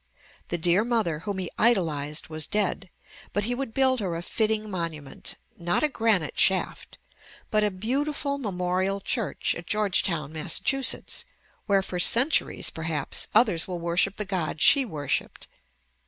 The dear mother whom he idolized was dead, but he would build her a fitting monument; not a granite shaft, but a beautiful Memorial Church at Georgetown, Mass., where for centuries, perhaps, others will worship the God she worshipped.